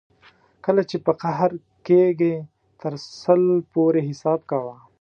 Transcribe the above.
کله چې په قهر کېږې تر سل پورې حساب کوه.